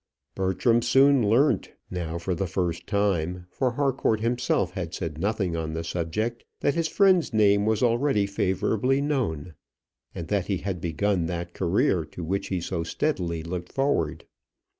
Bertram soon learnt now for the first time, for Harcourt himself had said nothing on the subject that his friend's name was already favourably known, and that he had begun that career to which he so steadily looked forward.